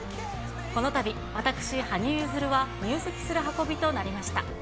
このたび私、羽生結弦は入籍する運びとなりました。